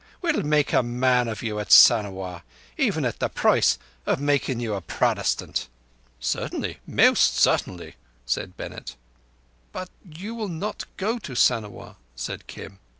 We'll make a man of you at Sanawar—even at the price o' making you a Protestant." "Certainly—most certainly," said Bennett. "But you will not go to Sanawar," said Kim.